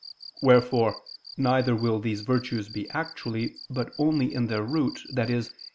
Wherefore neither will these virtues be actually, but only in their root, i.e.